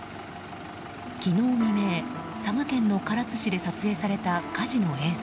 昨日未明、佐賀県の唐津市で撮影された火事の映像。